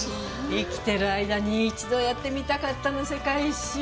生きてる間に一度やってみたかったの世界一周。